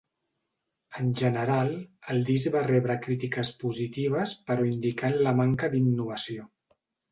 En general, el disc va rebre crítiques positives però indicant la manca d'innovació.